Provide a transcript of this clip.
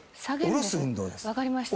分かりました。